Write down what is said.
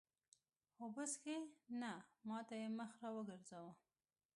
اوبه څښې؟ نه، ما ته یې مخ را وګرځاوه.